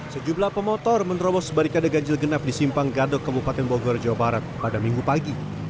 sejumlah pemotor menerobos barikade ganjil genap di simpang gadok kabupaten bogor jawa barat pada minggu pagi